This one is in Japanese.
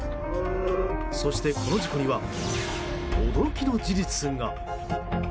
そして、この事故には驚きの事実が。